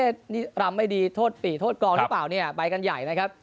นี่รำไม่ดีโทษปี่โทษกองหรือเปล่าเนี่ยไปกันใหญ่นะครับ